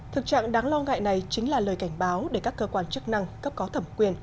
thực trạng đáng lo ngại này chính là lời cảnh báo để các cơ quan chức năng cấp có thẩm quyền